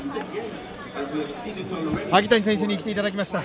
萩谷選手に来ていただきました。